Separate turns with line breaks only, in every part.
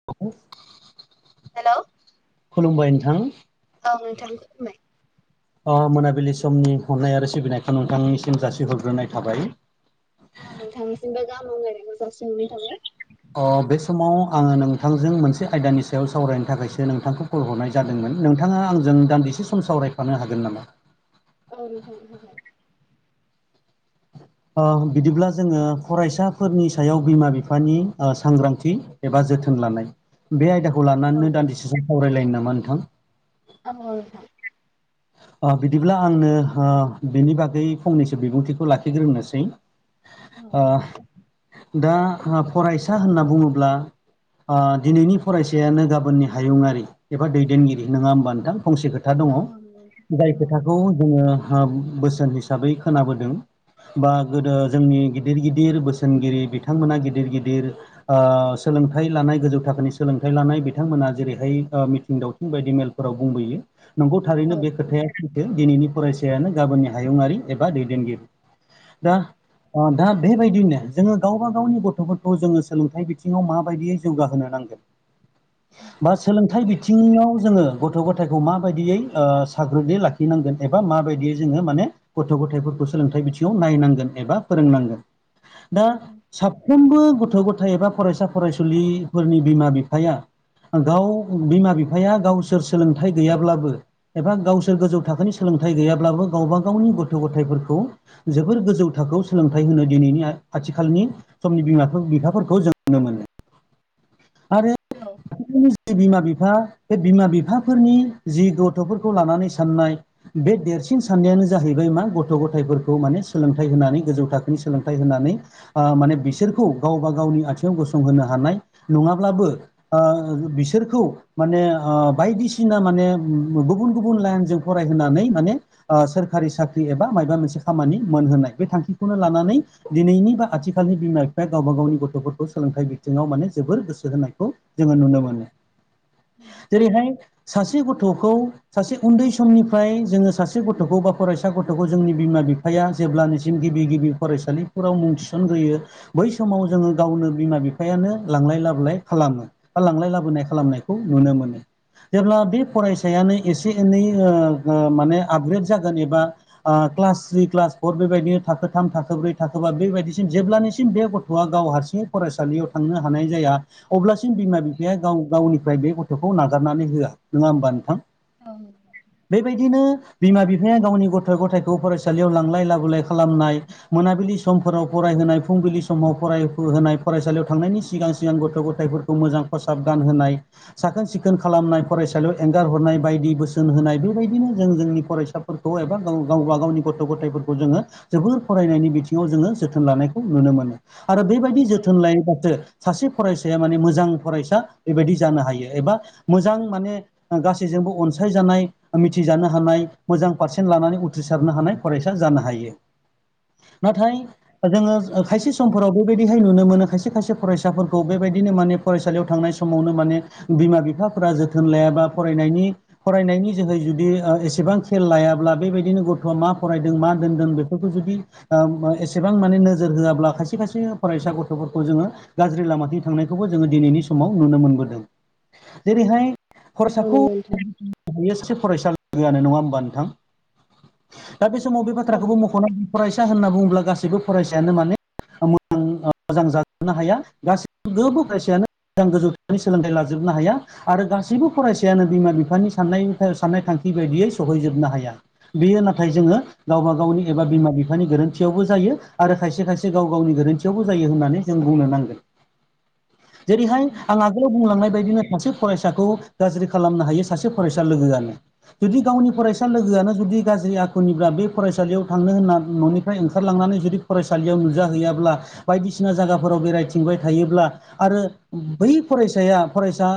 [unintelligible]
Hello
खुलुमबाय नोंथां
औ नोंथां बुंलाय
अ मोनाबिलि समनि अननाय आरो सिबिनायखौ नोंथांनिसिम जासिहरग्रोनाय थाबाय
औ थांनिसिमबो गाहाम हामलाय नायखौ जासिहरनाय थाबाय
अ बे समाव आङो नोंथांजों मोनसे आयदानि सायाव सावरायनो थाखायसो नोंथांखौ कल हरनाय जादोंमोन नोंथाङा आंजों दान्दिसे सम सावरायफानो हागोन नामा
औ नोंथां हागोन
ओ बिदिब्ला जोङो फरायसाफोरनि सायाव बिमा बिफानि ओ सांग्रांथि एबा जोथोन लानाय बे आयदाखौ
औ
लानानैनो दान्दिसेस सावरायलायनो नामा नोंथां
औ औ नोंथां
ओ बिदिब्ला आंनो हो बिनि बागै फंनैसो बिबुंथिखौ लाखि खिग्रोनोसै ओ दा फरायसा होनना बुङोब्ला ओ दिनैनि फरायसायानो गाबोननि हायुङारि एबा दैदेनगिरि नोङा होमबा नोंथां फंसे खोथा
औ
दङ
नोंथां
जाय
औ
खोथाखौ जोङो हो बोसोन हिसाबै खोनाबोदों बा गोदो जोंनि गिदिर गिदिर बोसोनगिरि बिथांमोना गिदिर गिदिर ओ सोलोंथाइ लानाय गोजौ थाखोनि सोलोंथाइ लानाय बिथांमोना जेरैहाय ओ मिथिं दाव थिं बायदि मेलफोराव बुंबोयो नंगौ
औ औ नोंथां औ
थारैनो बे खोथाया सैथो दिनैनि फरायसायानो गाबोननि हायुङारि एबा दैदेनगिरि दा ओ दा बेबायदिनो जोङो गावबा गावनि गथ' गथ'फोरखौ जोङो सोलोंथाइ बिथिङाव माबायदियै जौगाहोनो नांगोन बास सोलोंथाइ बिथिङाव जोङो गथ' गथायखौ माबायदियै ओ साग्रोदै लाखिनांगोन एबा माबायदि जोङो माने गथ' गथायफोरखौ सोलोंथाइ बिथिं नायनांगोन एबा फोरोंनांगोन दा साफ्रोमबो गथ' गथाय एबा फरायसा फरायसुलिफोरनि बिमा बिफाया गाव बिमा बिफाया गावसोर सोलोंथाइ गैयाब्लाबो एबा गावसोर गोजौ थाखोनि सोलोंथाइ गैयाब्लाबो गावबा गावनि गथ' गथायफोरखौ जोबोर गोजौ थाखोआव सोलोंथाइ होनो दिनैनि आथिखालनि समनि बिमाफा-बिफाफोरखौ जों नुनो मोनो आरो
औ।
जिथुनिखि बिमा-बिफा बे बिमा-बिफाफोरनि जि गथ'फोरखौ लानानै साननाय बे देरसिन साननायानो जाहैबाय मा गथ' गथायफोर खौ माने सोलोंथाइ होनानै गोजौ थाखोनि सोलोंथाइ होनानै। ओ माने बिसोरखौ गावबा गावनि आथिङाव गसंहोनो हानाय नङाब्लाबो ओ बिसोरखौ माने ओ बायदिसिना माने गुबुन गुबुन लाइनजों फरायहोनानै माने ओ सोरखारि साख्रि एबा मायबा मोनसे खामानि मोनहोनाय बे थांखिखौनो लानानै दिनैनि बा आथिखालनि बिमा बिफाया गावबा गावनि गथ'फोरखौ सोलोंथाइ बिथिङाव माने जोबोर गोसो होनायखौ जोङो नुनो मोनो
[inaudible]
जेरैहाय सासे गथ'खौ सासे उन्दै समनिफ्राय जोङो सासे गथ'खौ बा फरायसा गथ'खौ जोंनि बिमा बि फाया जेबब्लानिसिम गिबि-गिबि फरायसालिफोराव मुं थिसनग्रोयो बै समाव जोङो गावनो बिमा-बिफायानो लांलाय लाबोलाय खालामो बा लांलाय लाबोनाय खालामनायखौ नुनो मोनो। जेब्ला बे फरायसायानो एसे एनै माने ओ ओ आपग्रेड जागोन एबा ओ क्लास सिक्स क्लास फर बेबायदिनो थाखो थाम थाखो ब्रै थाखोबा बेबायदिसिम जेब्लानिसिम बे गथ'आ गाव हारसिंयै फरायसालियाव थांनो हानाय जाया अब्लासिम बिमा-बिफाया गाव गावनिफ्राय बे गथ'खौ नागारनानै होआ नङा होमबा नोंथां। बेबायदिनो बिमा-बिफाया गावनि गथ' गथायखौ फरायसालि याव लांलाय लाबोलाय खालामनाय। मोनाबिलि समफोराव फरायहोनाय, फुंबिलि समाव फरायहोनाय, फरायसालियाव थांनायनि सिगां सिगां गथ' गथायफोर खौ मोजां फसाब गानहोनाय। साखोन सिखोन खालामनाय फरायसालियाव एंगार हरनाय बायदि बोसोन होनाय बेबायदिनो जों जोंनि फरायसा फोरखौ एबा गावबा गावनि गथ' गथायफोरखौ जोङो जोबोर फरायनायनि बिथिङाव जोङो जोथोन लानायखौ नुनो मोनो। आरो बेबायदि
औ
जोथोन लायोब्लाासो सासे फरायसाया माने मोजां फरायसा बेबायदि जानो हायो एबा मोजां माने गासैजोंबो अनसायजानाय मिथिजानो हानाय मोजां पारसेन्ट लानानै उथ्रिसारनो हानाय फरायसा जानो हायो। नाथाय
औ
जोङो खायसे समफोराव बेबायदिहाय नुनो मोनो खायसे खायसे फरायसाफोरखौ बेबायदिनो माने फरायसालियाव थांनाय समावनो माने बिमा-बिफाफोरा जोथोन लायाबा फरायनायनि फरायनायनि जोहै जुदि एसेबां खेल लायाब्ला बेबायदिनो गथ'आ मा फरायदों मा दोनदों बेफोरखौ जुदि ओ ओ एसेबां माने नोजोर होआब्ला खायसे खायसे फरायसा गथ'फोरखौ जोङो गाज्रि लामाथिं थांनायखौबो जोङो दिनैनि समाव नुनो मोनबोदों। जेरैहाय
नंगौ
खर'साखौ
नोंथां
[unintelligible] एसे एफरायसालिआनो नङा होमबा नोंथां। दा बे समाव बे
औ
बाथ्राखौबो मख'नो फरायसा होनना बुङोब्ला गासैबो फरायसायानो माने ओ मोजां मोजां जाजोबनो हाया गासैबो गोबौ फरायसायानो मोजां गोजौ सोलोंथाइ लाजोबनो हाया। आरो गासैबो फरायसायानो बिमा-बिफानि साननाय साननाय थांखि बायदियै सहैजोबनो हाया। बेयो नाथाय जोङो गावबा गावनि एबा बिमा बिफानि गोरो न्थियावबो जायो आरो खायसे खायसे गाव गावनि गोरोन्थियावबो जायो होननानै जों बुंनो नांगोन। जेरैहाय आं आगोलाव बुंलांनाय बायदिनो सासे फरायसाखौ गाज्रि खालामनो हायो सासे फरायसा लोगोआनो। जुदि गावनि फरायसा लोगोआनो जुदि गाज्रि आ खुनिब्ला बे फरायसालियाव थांनो होनना, न'निफ्राय ओंखारलांनानै जुदि फरायसालियाव नुजाहैयाब्ला बायदिसिना जागाफोराव बेरायथिंबाय थायोब्ला आरो बै फरायसाया फरायसा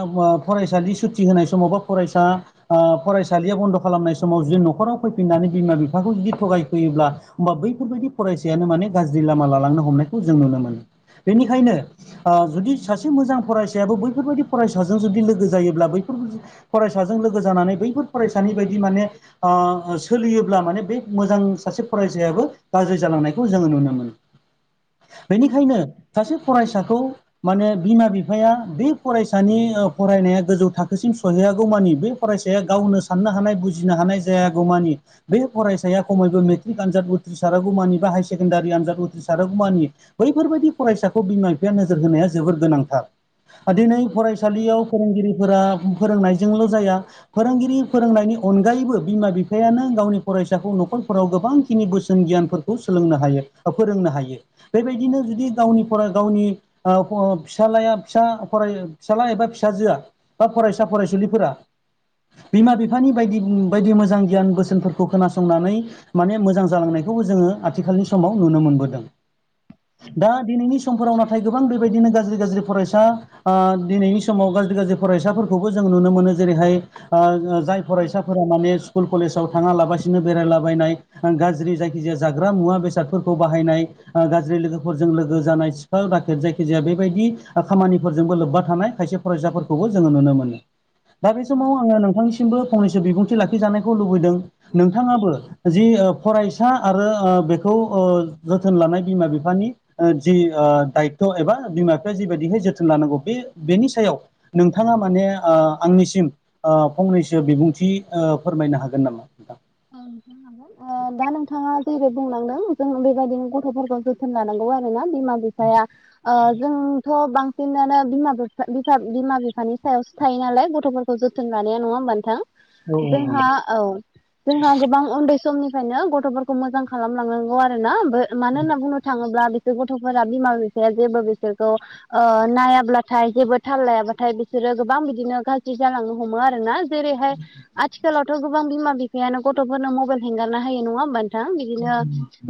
फरायसानि सुथि होनाय समाव बा फरायसा फरायसालिया बन्द' खालामनाय समाव जुदि न'खराव फैफिननानै बिमा बिफाखौ जुदि थगायफैयोब्ला होमबा बैफोरबायदि फरायसायानो माने गाज्रि लामा लालांनो हमनाय खौ जों नुनो मोनो बेनिखायनो जुदि सासे मोजां फरायसायाबो बैफोरबायदि फरायसाजों जुदि लोगो जायोब्ला बैफोरबादि फरायसाजों लोगो जानानै बैफोर फरायसानि बायदि माने सोलियोब्ला माने बे मोजां सासे फरायसायाबो गाज्रि जालांनायखौ जोङो नुनो मोनो। बेनिखायनो सासे फरायसाखौ माने बिमा बिफाया बे फरायसानि फरायनाया गोजौ थाखोसिम सहैयागौ मानि बे फरायसाया गावनो साननो हानाय बुजिनो हानाय जायागौमानि बे फरायसाया खमैबो मेट्रिक आनजाद उथ्रिसारागौ मानि बा हायार सेकेण्डारि आनजाद उथ्रिसारागौमानि बैफोरबायदि फरायसाखौ बिमा बिफाया नोजोर होनाया जोबोर गोनांथार। दिनै फराय सालियाव
नंगौ
फोरोंगिरिफोरा फोरोंनायजोंल' जाया फोरोंगिरि फोरोंनायनि अनगायैबो बिमा बिफायानो गावनि फरायसाखौ न'खरफोराव गोबांखिनि बोसोन गियानफोरखौ सोलोंनो हायो बा फोरोंनो हायो। बेबायदिनो जुदि गावनिफोरा गावनि [unintelligible] फिसालाया फिसा फरायनो फिसाला एबा फिसाजोआ बा फरायसा फरायसुलिफोरा बिमा बिफानि बायदि बायदि मोजां गियान बोसोनफोर खौ खोनासंनानै माने मोजां जालांनायखौबो जोङो आथिखालनि समाव नुनो मोनबोदों। दा दिनैनि समफोराव नाथाय गोबां बेबायदिनो गाज्रि गाज्रि फरायसा दिनैनि समाव गाज्रि गाज्रि फरायसाफोरखौबो जों नुनो मोनो जेरैहाय जाय
औ
फरायसाफोरा माने स्कुल कलेजाव थाङालाबासिनो बेरायलाबायनाय गाज्रि जायखिजाया जाग्रा मुवा बेसादफोरखौ बाहायनाय गाज्रि लोगोफोरजों लोगो जानाय सिखाव दाखेेद जायखिजाया बेबायदि खामानिफोरजोंबो लोब्बा थानाय खायसे फरायसाफोरखौबो जोङो नुनो मोनो। दा बे
औ
समाव आङो नोंथांनिसिमबो फंनैसो बिबुंथि लाखिजानायखौ लुबैदों नोंथाङाबो जि फरायसा आरो बेखौ जोथोन लानाय बिमा बिफानि जि दायथ' एबा बिमा बिफाया जिबायदिहाय जोथोन लानांगौ बे बेनि सायाव नोंथाङा माने आंनिसिम फंनैसो बिबुंथि फोरमायनो हागोन नामा नोंथां?
औ नोंथां दा नोंथाङा जेरै बुंलांदों जों बेबायदिनो गथ'फोरखौ जोथोन लानांगौ आरोना बिमा बिफाया जोंथ' बां सिनानो बिमा बिफा-बिफा बिमा बिफानि सायावसो थायो नालाय गथ'फोरखौ जोथोन लानाया नङा होमबा नोंथां जोंहा औ जोंहा गोबां उन्दै समनिफ्रायनो गथ'फोरखौ मोजां खालामलांनांगौ आरोना मानो होनना बुंनो थाङोब्ला बिसोर गथ'फोरा बिमा बिफाया जेबो बिसोरखौ नायाब्लाथाय जेबो थाल लायाबाथाय बिसोरो गोबां बिदिनो गाज्रि जालांनो हमो आरोना जेरैहाय आथिखालावथ' गोबां बिमा बिफायानो गथ'फोरनो मबाइल हेंगारनो हायो नङा होमबा नों थां बिदिनो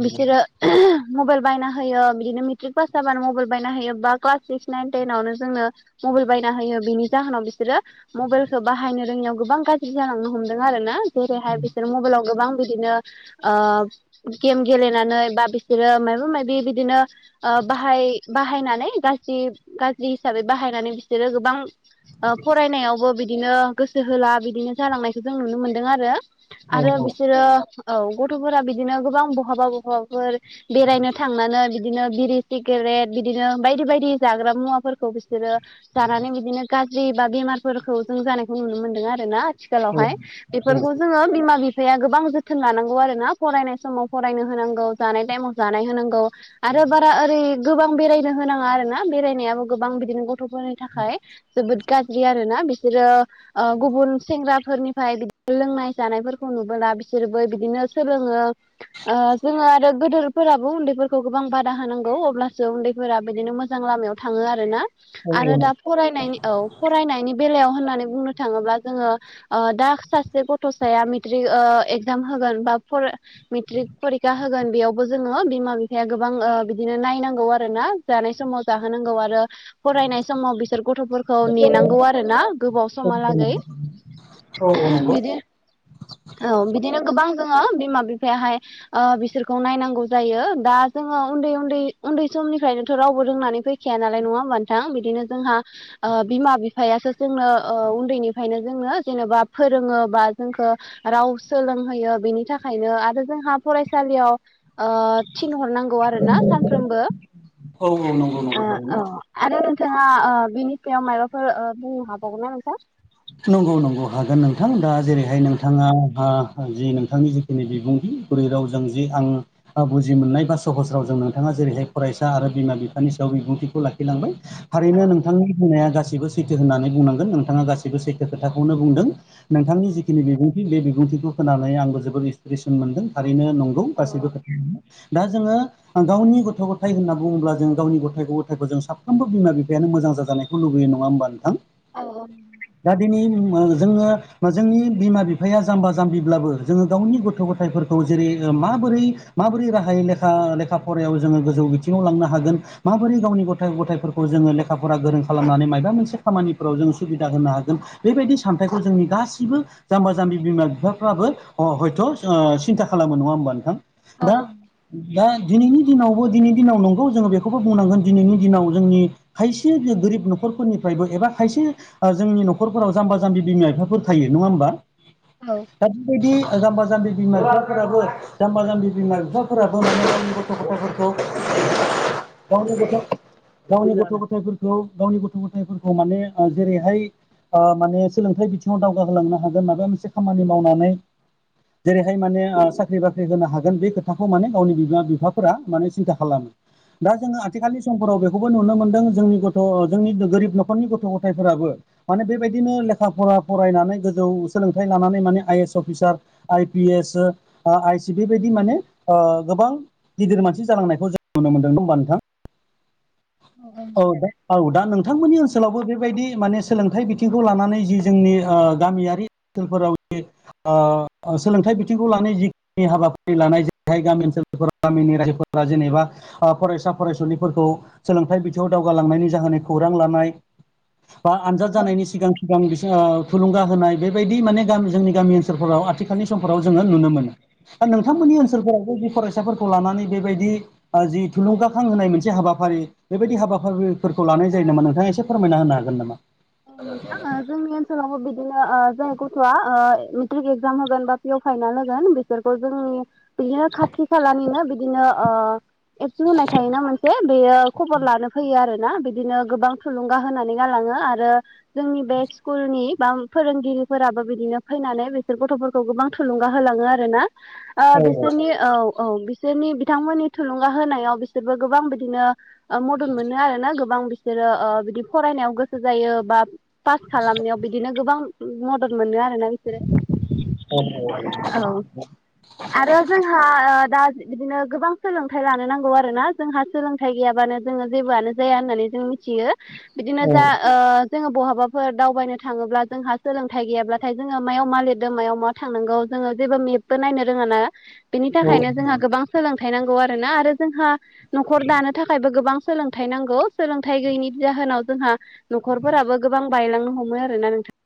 बिसोरो
[inaudible]
मबेल बायना होयो बिदिनो मेट्रिक पास जाबानो मबेल बायना होयो बा क्लास सिक्स नाइन टेनावनो जोंनो मबेल बायना होयो बिनि जाहोनाव बिसोरो मबेलखौ बाहायनो रोङैयाव गोबां गाज्रि जालांनो हमदों आरोना जेरैहाय बिसोर मबाइलाव गोबां बिदिनो गेम गेलेनानै बा बिसोरो मायबा मायबि बिदिनो बाहाय बाहायनानै गाज्रि गाज्रि हिसाबै बाहायनानै बिसोरो गोबां फरायनायावबो बिदिनो गोसो होला बिदिनो जालांनायखौ जों नुनो मोनदों आरो
औ
आरो
औ औ
बिसोरो औ गथ'फोरा बिदिनो गोबां बहाबा बहाबाफोर बेरायनो थांनानै बिदिनो बिरि सिगारेट बिदिनो बायदि बायदि जाग्रा मुवाफोरखौ बिसोरो जानानै बिदिनो गाज्रि बा बेमारफोरखौ जों जानायखौ नुनो मोन्दों आरोना आथिखालावहाय बेफोरखौ जोङो बिमा बिफाया गोबां जोथोन लानांगौ आरोना फरायनाय समाव फरायनो होनांगौ जानाय टाइमाव जानाय होनांगौ । आरो बारा ओरै गोबां बेरायनो होनाङा आरो ना बेरायनायाबो गोबां बिदिनो गथ'फोरनि थाखाय । जोबोद गाज्रि आरोोना बिसोरो गुबुन सेंग्राफोरनिफ्राय बिदि लोंनाय । जानायफोरखौ नुबोला बिसोरबो बिदिनो सोलोङो जोङो आरो गोदोरफोराबो उन्दैफोरखौ गोबां बादा होनांगौ अब्लासो उन्दैफोरा बिदिनो मोजां लामायाव थाङो आरोना
औ
आरो दा फरायनायनि औ फरायनायनि बेलायाव होननानै बुंनो थाङोब्ला जोङो दा सासे गथ' गथ'स मेट्रिक एगजाम होगोन बा मेट्रिक फरिखा होगोन बेयाव जोङो बिमा बिफाया गोबां बिदिनो नायनांगौ आरो ना जानाय समाव जाहोनांगौ आरो । फरायनाय समाव बिसोर गथ'फोरखौ नेनांगौ आरो ना गोबाव समहालागै ।
औ नांगौ ।
औ बिदिनो गोबां दोङो बिमा बिफायाहाय । बिसोरखौ नायनांगौ जायो दा जोङो उन्दै उन्दै उन्दै समनिफ्रायनोथ' रावबो रोंनानै फै खाया नालाय नङा होनबा नोथां बिदिनो जोंहा बिमा बिफायासो जोंनो उन्दैनिफ्रायनो जोंनो जेनेबा फोरोङो बा जोंखौ राव सोलोंहोयो बेनि थाखायनो आरो जोंहा फरायसालियाव थिनहरनांगौ आरो ना सानफ्रोमबो
औ नंगौ नंगौ थारैनो
औ आरो नोंथाङा बिनि सायाव मायाबाफोर बुंनो हाबावगोन ना नोंथां?
नंगौ नंगौ हागोन नोंथां दा जेरैहाय नोंथाङा । जि नोंथांनि जिखिनि बिबुंथि बुरै रावजों जे आं । बुजि मोननाय बा सहस रावजों नोंथाङा जेरैहाय फरायसा आरो बिमा बिफानि सायाव बिबुंथिखौ लाखि । बाय
औ
थारैनो नोंथांनि बुंनाया गासिबो सैथो होननानै बुंनांगोन नोंथाङा गासिबो । सैखो खोथाखौनो बुंदों नोंथांनि जिखिनि बिबुंथि बे बिबुंथिखौ । होनानै आंबो जोबोद इन्सपिरेसन मोनदों थारैनो नंगौ
औ
गासैबो खोथाय दा जोङो । गावनि गथ' गथाय होनना बुङोब्ला जों गावनि गथथाय ग गथायखौ जों साफ्रोमबो बिमा बिफायानो मोजां जाजानाय । लुबोयो नङा होनोमबा नोंथां?
औ औ ।
दा दिनै जोङो जोंनि बिमा बिफाया जाम्बा जाम्बिब्लाबो जोङो गावनि गथ' गथायफोरखौ । खौ जेरै माबोरै माबोरै राहायै लेखा लेखा फरायायाव जोङो गोजौ बिथिङाव लांनो हागोन । माबोरै गावनि गथ' गथायफोरखौ जोङो लेखाफोरा गोरों खालामनानै माबा मोनसे खामानिफोराव जों सुबिदा । होनोनो हागोन बेबायदि सामथाइखौ जोंनि गासिबो । जाम्बा जाम्बि बिमा बिफाफ्राबो हयथ' सिन्था खालामो नङा होमबा नोंथां? दा दा दिनैनि दिनावबो दिनैनि दिनाव नंगौ जोङो बेखौबो बुंनांगोन दिनैनि दिनाव जोंनि खायसे बे गोरिब न'खरफोरनिफ्रायबो एबा खायसे जोंनि नखरफोराव जाम्बा जामबि बिमा बिफाफोर थायो नङा होमबा
औ
दा बेबायदि जाम्बा जाम्बि बिमा बिफाफोराबो जाम्बा जाम्बि बिमा बिफाफोराबो मोनो जनि गथ' गथफोरखौ गनि गावनि गथ' गथायफोरखौ गावनि गथ' गथायफोरखौ माने जेरै बेहाय माने सोलोंथाइ बिथिङाव दावगाहोलांनो हागोन माबा मोनसे खामानि मावनानै जेरैहाय माने साख्रि बाख्रि होनो हागोन बे खोथाखौ माने गावनि बिमा बिफाफोरा माने सिन्था खालामो । दा जोङो आथिखालनि समफोराव बेखौबो नुनो मोनदों जोंनि गथ' जोंनि गोरिब न'खरनि गथ' गथायफोराबो । माने बेबायदिनो लेखा फरा फरायनानै गोजौ सोलोंथाइ लानानै माने I S officer. I P S I C बिबायदि माने गोबां । गिदिर मानसि जालांनायखौ जों नुनो मोनदों नङा होमबा नोंथां? औ दा औ दा नोंथांमोननि ओनसोलावबो बेबायदि माने सोलोंथाइ बिथिंखौ लानानै जि जोंनि ओ गामियारि ओनसोलफोराव जि ओ सोलोंथाइ बिथिंखौ लानाय जि नि हाबाफारि लानाय जेरैहाय गामि ओनसोलफोर गामिनि रायजोफोरा जेनेबा ओ फरायसा फरायसुलिफोरखौ सोलोंथाइ बिथिङाव दावगालांनायनि जाहोन खौरां लानाय बा आनजाद
औ
जानायनि सिगां सिगां बि थुलुंगा होनाय बेबायदि माने ग जोंनि गामि ओनसोलफोराव आथिखालनि समफोराव जोङो नुनो मोनो । दा
औ
नोंथांमोननि
ओ
ओनसोलफोराव जायदि फरायसाफोरखौ लानानै बेबायदि । जि थुलुंगाखां होनाय मोनसे हाबाफारि । बेबायदि हाबाफारिफोरखौ लानाय जायो नामा नोंथाङा एसे फोरमायना होनो हागोन नामा?
[inaudible] सावबो बिदिनो जाय गथ'आ मेट्रिक एक्जाम होगोन बा पिअ फाइनाल होगोन बिसोरखौ जोंनि । बिदिनो खाथि खालानिनो बिदिनो ओ एबसु होननाय थायोना मोनसे, बेयो खबर लानो फैयो आरोना। बिदिनो गोबां थुलुंगा होनानै गालाङो आरो जोंनि बे स्कुलनि बा फोरोंगिरिफोराबो बिदिनो फैनानै बिसोर गथ'फोर खौ गोबां थुलुंगा होलाङो आरोना। ओ बिसोरनि औ औ बिसोरनि बिथांमोननि थुलुंगा होनायाव बिसोरबो गोबां बिदिनो ओ मदद मोनो आरोना गोबां बिसोरो ओ बिदि फरायनायाव गोसो जायो बा पास खालामनायाव बिदिनो गोबां मदद मोनो आरोना बिसोरो। औ। आरो जोंहा ओ दा बिदिनो गोबां सोलोंथाय लानो नांगौ आरोना जोंहा सोलों थाय गैयाबानो जोङो जेबोआनो जाया होननानै जों मिथियो, बिदिनो जा
औ
ओ जोङो बहाबाफोर दावबायनो थाङोब्ला जोंहा सोलोंथाय गैयाब्लाथाय जोङो मायाव मा लिरदों मायाव मा थांनांगौ जोङो जेबो मेपबो नायनो रोङा ना। बेनि
औ
थाखायनो जोंहा गोबां सोलोंथाय नांगौ आरोना आरो जोंहा नखर दानो थाखायबो गोबां सोलोंथाय नांगौ। सोलोंथाय गैयैनि जाहोनाव जोंहा नखरफोराबो गोबां बायलांनो हमो आरोना नोंथां।